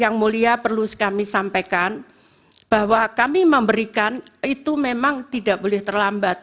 yang mulia perlu kami sampaikan bahwa kami memberikan itu memang tidak boleh terlambat